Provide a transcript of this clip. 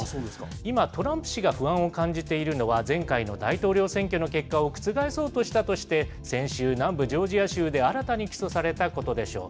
今、トランプ氏が不安を感じているのは、前回の大統領選挙の結果を覆そうとしたとして、先週、南部ジョージア州で新たに起訴されたことでしょう。